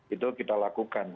itu kita lakukan